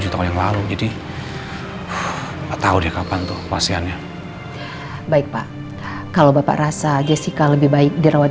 tujuh tahun yang lalu jadi tahu nih kapan tuh pasiennya baik pak kalau bapak rasa jessica lebih baik dirawat